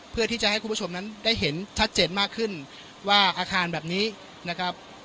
เพื่อที่จะให้คุณผู้ชมนั้นได้เห็นชัดเจนมากขึ้นว่าอาคารแบบนี้นะครับ